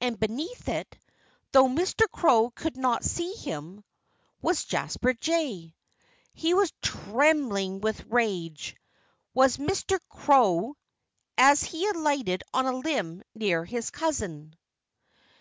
And beneath it though Mr. Crow could not see him was Jasper Jay. He was trembling with rage was Mr. Crow as he alighted on a limb near his cousin.